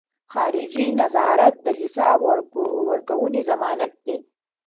خارجي نظارت د حساب ورکونې ضمانت دی.